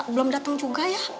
belum dateng juga ya